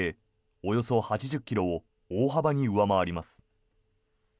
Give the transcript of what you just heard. およそ８０ｋｍを大幅に上回ります。